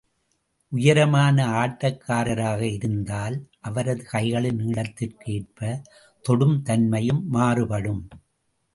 உயரமான ஆட்டக்காரராக இருந்தால், அவரது கைகளின் நீளத்திற்கு ஏற்ப, தொடும் தன்மையும் மாறுபடும்.